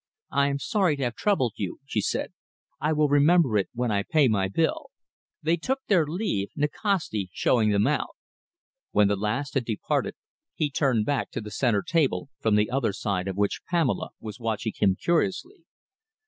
"I am sorry to have troubled you," she said. "I will remember it when I pay my bill." They took their leave, Nikasti showing them out. When the last had departed, he turned back to the centre table, from the other side of which Pamela was watching him curiously.